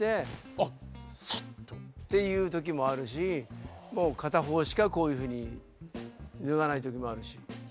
あっさっと。っていう時もあるし片方しかこういうふうに脱がない時もあるし。